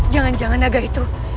jangan jangan naga itu